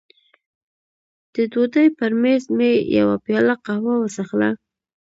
د ډوډۍ پر مېز مې یوه پیاله قهوه وڅښله.